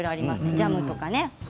ジャムとかね。